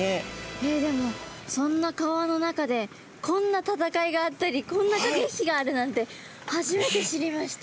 えっでもそんな川の中でこんな戦いがあったりこんなかけ引きがあるなんて初めて知りました。